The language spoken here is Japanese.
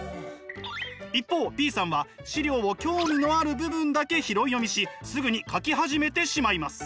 一方Ｂさんは資料を興味のある部分だけ拾い読みしすぐに描き始めてしまいます。